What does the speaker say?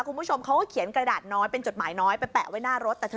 คุณผู้ชมเขาก็เขียนกระดาษน้อยเป็นจดหมายน้อยไปแปะไว้หน้ารถแต่เธอ